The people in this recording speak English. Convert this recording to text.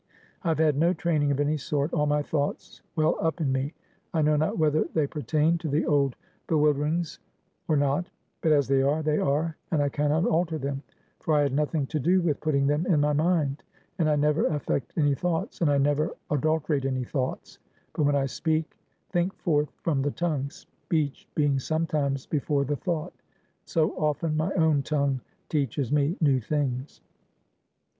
I have had no training of any sort. All my thoughts well up in me; I know not whether they pertain to the old bewilderings or not; but as they are, they are, and I can not alter them, for I had nothing to do with putting them in my mind, and I never affect any thoughts, and I never adulterate any thoughts; but when I speak, think forth from the tongue, speech being sometimes before the thought; so, often, my own tongue teaches me new things.